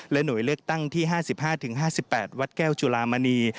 หน่วยเลือกตั้งที่๕๕๘วัดแก้วจุลามณี